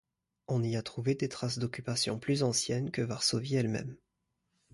On y a trouvé des traces d'occupation plus ancienne que Varsovie elle-même.